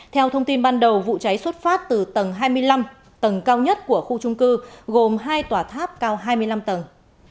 theo thông tin ban đầu vụ cháy xuất phát từ tầng hai mươi năm tầng cao nhất của khu trung cư gồm hai tòa tháp cao hai mươi năm tầng